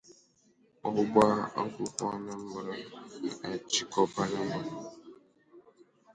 Ọba Akwụkwọ Anambra Achịkọbala Ọgbakọ Izugbe Maka Ndị Ndu Ọba Akwụkwọ Ohaneze